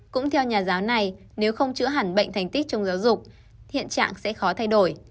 cũng theo nhà giáo này nếu không chữa hẳn bệnh thành tích trong giáo dục hiện trạng sẽ khó thay đổi